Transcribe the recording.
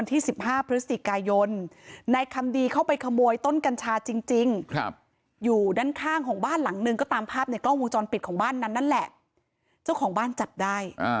ตอนปิดของบ้านนั้นแหละเจ้าของบ้านจัดได้